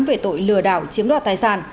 về tội lừa đảo chiếm đoạt tài sản